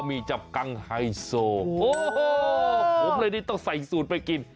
มีจับกังไฮโซโอ้โหผมเลยนี่ต้องใส่สูตรไปกิน